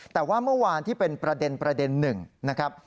แต่ว่าเมื่อวานที่เป็นประเด็นหนึ่งนะครับ